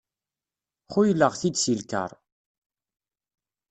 Xuyleɣ-t-id si lkar.